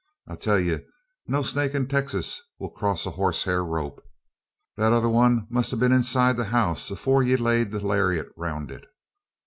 "I tell ye no snake in Texas will cross a hosshair rope. The tother 'un must ha' been inside the house afore ye laid the laryitt roun' it.